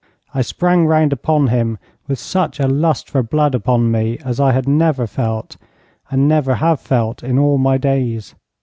I sprang round upon him with such a lust for blood upon me as I had never felt, and never have felt, in all my days.